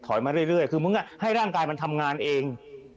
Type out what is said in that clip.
มาเรื่อยคือมึงให้ร่างกายมันทำงานเอง